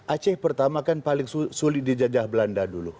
aceh pertama kan paling sulit dijajah belanda dulu